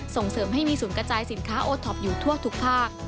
ส่งเสริมให้มีศูนย์กระจายสินค้าโอท็อปอยู่ทั่วทุกภาค